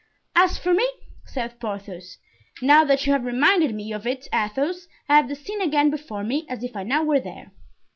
"As for me," said Porthos, "now that you have reminded me of it, Athos, I have the scene again before me, as if I now were there.